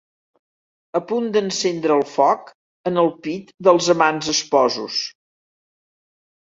A punt d'encendre el foc en el pit dels amants esposos.